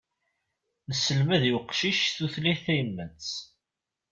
Nesselmad i uqcic tutlayt tayemmat.